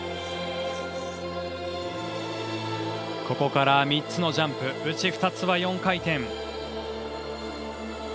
ここから３つのジャンプうち２つは４回転。